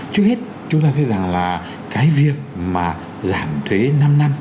trước hết chúng ta thấy rằng là cái việc mà giảm thuế năm năm